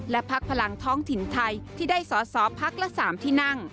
และพักพลังท้องถิ่นไทยที่ได้สอสอพักละ๓ที่นั่ง